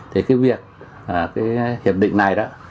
thế cái việc cái hiệp định này đó